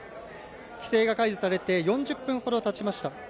規制が解除されて４０分ほどたちました。